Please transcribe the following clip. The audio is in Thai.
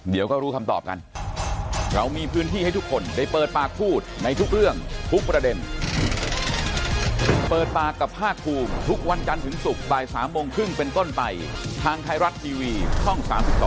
เดี๋ยวก็รู้คำตอบกัน